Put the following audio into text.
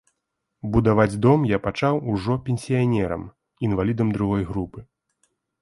Будаваць дом я пачаў ужо пенсіянерам, інвалідам другой групы.